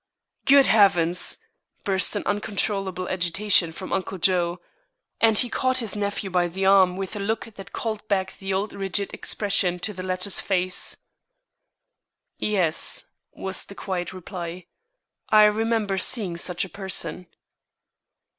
"Good heavens!" burst in uncontrollable agitation from Uncle Joe; and he caught his nephew by the arm with a look that called back the old rigid expression to the latter's face. "Yes," was the quiet reply; "I remember seeing such a person."